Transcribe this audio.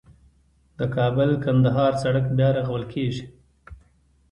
د کابل - کندهار سړک بیا رغول کیږي